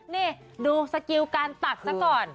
นี่ดูสกิลการตักซะก่อน